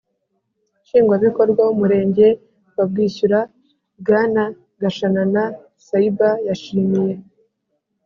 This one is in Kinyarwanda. nshingwabikorwa w’umurenge wa bwishyura, bwana gashanana saiba. yashimiye